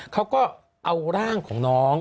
เขาก็เอาร่างของน้อง